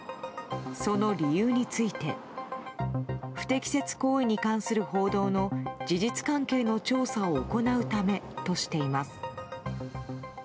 その理由について不適切行為に関する報道の事実関係の調査を行うためとしています。